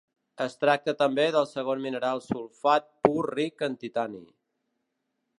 Es tracta també del segon mineral sulfat pur ric en titani.